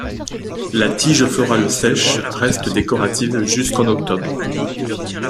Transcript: La tige florale sèche reste décorative jusqu'en octobre.